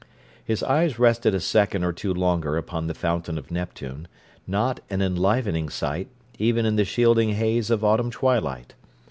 His eyes rested a second or two longer upon the Fountain of Neptune, not an enlivening sight even in the shielding haze of autumn twilight.